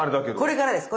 これからです。